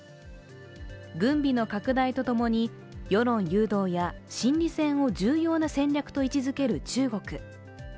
軍備の拡大とともに世論誘導や心理戦を重要な戦略と位置づける中国。